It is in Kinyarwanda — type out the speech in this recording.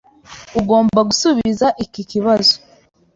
Ugomba gusubiza iki kibazo.